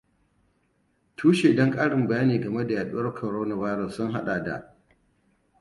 Tushen don ƙarin bayani game da yaduwar coronavirus sun haɗa da: